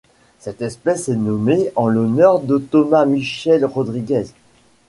Cette espèce est nommée en l'honneur de Tomás Michel Rodríguez.